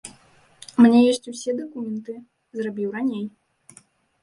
У мяне ёсць усе дакументы, зрабіў раней.